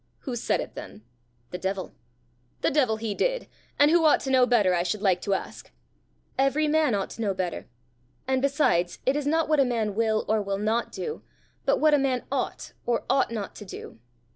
"Who said it then?" "The devil." "The devil he did! And who ought to know better, I should like to ask!" "Every man ought to know better. And besides, it is not what a man will or will not do, but what a man ought or ought not to do!"